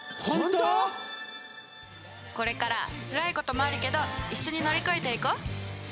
これからつらいこともあるけど一緒に乗り越えていこう！